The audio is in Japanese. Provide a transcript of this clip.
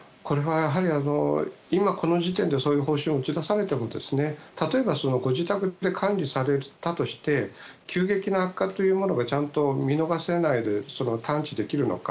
今この時点でそういう方針を打ち出されても例えばご自宅で管理されたとして急激な悪化というものがちゃんと見逃せないで探知できるのか。